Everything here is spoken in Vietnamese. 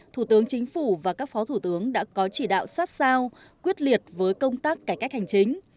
thủ tướng chính phủ và các phó thủ tướng đã có chỉ đạo sát sao quyết liệt với công tác cải cách hành chính